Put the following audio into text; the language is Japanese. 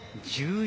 １１